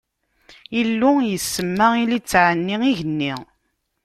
Illu isemma i litteɛ-nni: igenni.